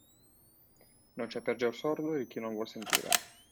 Non c'è peggior sordo di chi non vuol sentire.